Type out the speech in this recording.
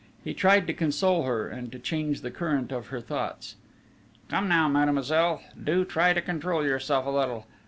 He tried to console her, and to change the current of her thoughts: "Come now, Mademoiselle, do try to control yourself a little!